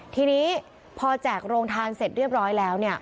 ทีนี้พอแจกโรงทานเสร็จเรียบร้อยแล้ว